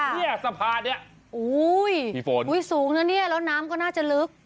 ค่ะนี่สะพานนี่พี่โฟนโอ้โฮสูงนะนี่แล้วน้ำก็น่าจะลึก